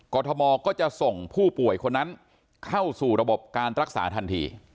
ทมก็จะส่งผู้ป่วยคนนั้นเข้าสู่ระบบการรักษาทันที